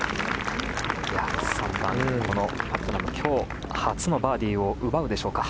３番、パットナム今日初のバーディーを奪うでしょうか。